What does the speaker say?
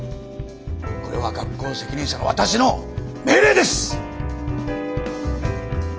これは学校責任者の私の命令です！